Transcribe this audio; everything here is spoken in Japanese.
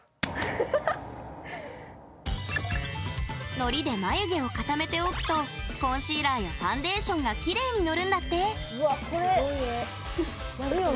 のりで眉毛を固めておくとコンシーラーやファンデーションがきれいにのるんだって！